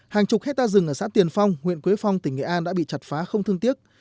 hàng chục hectare rừng ở xã tiền phong huyện quế phong tỉnh nghệ an đã bị chặt phá không thương tiếc